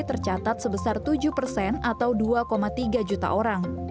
tercatat sebesar tujuh persen atau dua tiga juta orang